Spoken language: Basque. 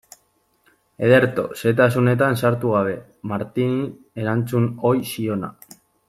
Ederto, xehetasunetan sartu gabe, Martini erantzun ohi ziona.